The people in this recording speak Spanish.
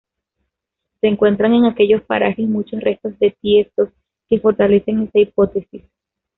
Se encuentran en aquellos parajes muchos restos de tiestos que fortalecen esta hipótesis.